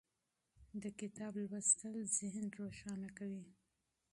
د کتاب لوستل ذهن روښانه کوي.